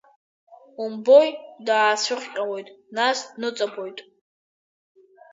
Умбои, даацәырҟьалоит, нас дныҵабоит…